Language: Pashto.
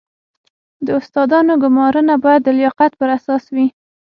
د استادانو ګمارنه باید د لیاقت پر اساس وي